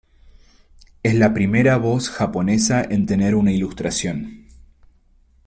Es la primera voz japonesa en tener una ilustración.